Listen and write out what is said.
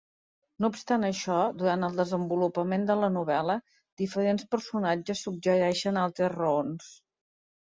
No obstant això, durant el desenvolupament de la novel·la, diferents personatges suggereixen altres raons.